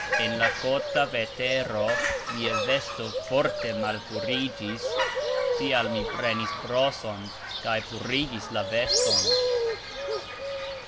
En la kota vetero mia vesto forte malpurigxis; tial mi prenis broson kaj purigis la veston.